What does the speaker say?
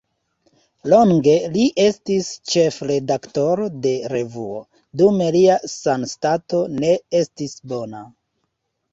Longe li estis ĉefredaktoro de revuo, dume lia sanstato ne estis bona.